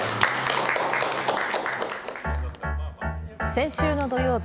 先週の土曜日。